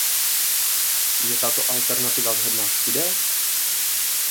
Je tato alternativa vhodná všude?